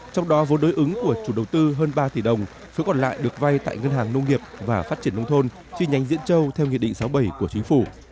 trong đó vốn đối ứng của chủ đầu tư hơn ba tỷ đồng số còn lại được vay tại ngân hàng nông nghiệp và phát triển nông thôn chi nhánh diễn châu theo nghị định sáu mươi bảy của chính phủ